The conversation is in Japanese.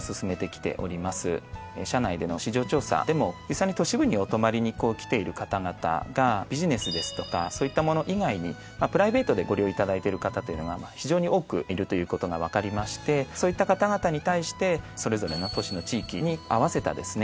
社内での市場調査でも実際に都市部にお泊まりに来ている方々がビジネスですとかそういったもの以外にプライベートでご利用いただいてる方というのが非常に多くいるということが分かりましてそういった方々に対してそれぞれの都市の地域に合わせたですね